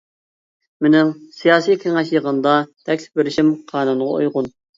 مېنىڭ سىياسىي كېڭەش يىغىنىدا تەكلىپ بېرىشىم قانۇنغا ئۇيغۇن.